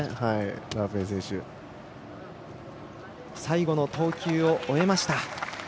最後の投球を終えました。